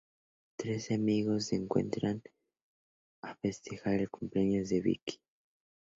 Trece amigos se encuentran a festejar el cumpleaños de Vicky.